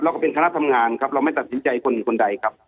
ก็เป็นคณะทำงานครับเราไม่ตัดสินใจคนใดครับ